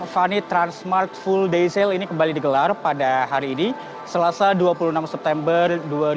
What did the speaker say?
fani transmart full day sale ini kembali digelar pada hari ini selasa dua puluh enam september dua ribu dua puluh